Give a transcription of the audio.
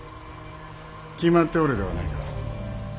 決まっておるではないか。